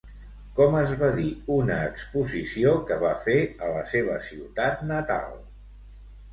Com es va dir una exposició que va fer a la seva ciutat natal?